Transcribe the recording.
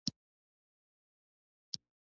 د بدن درد لپاره د زنجبیل تېل وکاروئ